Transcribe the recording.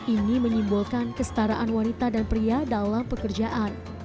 ini menyimbolkan kestaraan wanita dan pria dalam pekerjaan